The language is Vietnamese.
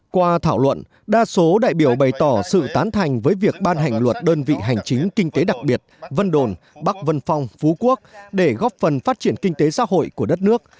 qua thảo luận đa số đại biểu bày tỏ sự tán thành với việc ban hành luật đơn vị hành chính kinh tế đặc biệt vân đồn bắc vân phong phú quốc để góp phần phát triển kinh tế xã hội của đất nước